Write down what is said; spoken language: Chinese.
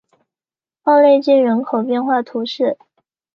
奥勒济人口变化图示